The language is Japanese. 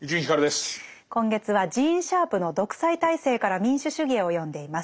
今月はジーン・シャープの「独裁体制から民主主義へ」を読んでいます。